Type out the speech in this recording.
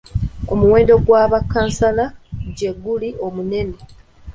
Omuwendo gwa bakkansala gye guli omunene.